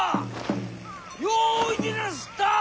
ようおいでなすった！